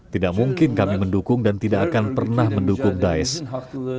tidak mungkin kami mendukung dan tidak akan pernah mendukung daesh